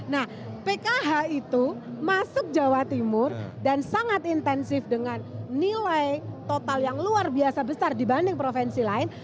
nah pkh itu masuk jawa timur dan sangat intensif dengan nilai total yang luar biasa besar dibanding provinsi lain